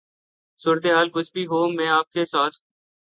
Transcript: صورتحال کچھ بھی ہو میں آپ کے ساتھ ہوں